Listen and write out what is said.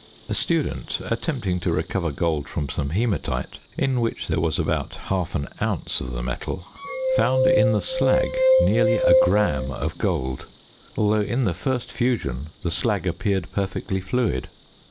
A student attempting to recover gold from some hæmatite (in which there was about half an ounce of the metal), found in the slag nearly a gram of gold, although in the first fusion the slag appeared perfectly fluid.